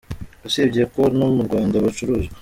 Usibye ko no mu Rwanda bacuruzwa.